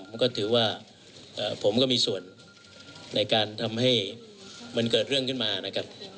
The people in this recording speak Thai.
ผมก็ถือว่าผมก็มีส่วนในการทำให้มันเกิดเรื่องขึ้นมานะครับ